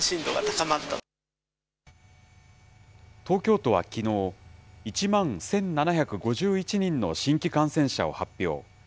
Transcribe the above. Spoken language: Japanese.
東京都はきのう、１万１７５１人の新規感染者を発表。